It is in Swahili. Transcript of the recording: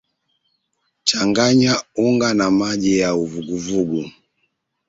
Changanya unga na maji ya uvuguvugu